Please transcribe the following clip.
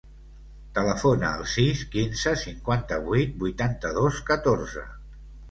Telefona al sis, quinze, cinquanta-vuit, vuitanta-dos, catorze.